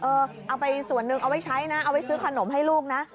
เอาไปส่วนหนึ่งเอาไว้ใช้นะเอาไว้ซื้อขนมให้ลูกนะ